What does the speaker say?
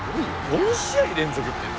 ４試合連続ってすごい。